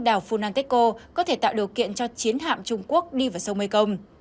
đảo funanteko có thể tạo điều kiện cho chiến hạm trung quốc đi vào sông mekong